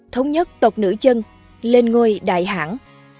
thống nhất tộc nữ chân lên ngôi đại hãng